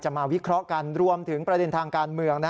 มาวิเคราะห์กันรวมถึงประเด็นทางการเมือง